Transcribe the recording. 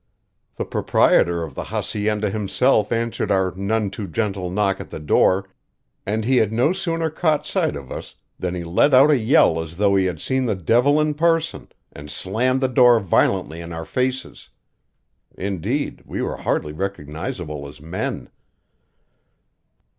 The proprietor of the hacienda himself answered our none too gentle knock at the door, and he had no sooner caught sight of us than he let out a yell as though he had seen the devil in person, and slammed the door violently in our faces. Indeed, we were hardly recognizable as men.